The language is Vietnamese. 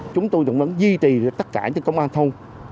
chúng tôi vẫn duy trì tất cả công an thôn